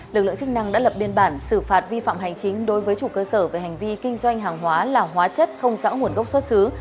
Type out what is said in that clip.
lực lượng chức năng đã lập biên bản xử phạt vi phạm hành chính đối với chủ cơ sở về hành vi kinh doanh hàng hóa là hóa chất không rõ nguồn gốc xuất xứ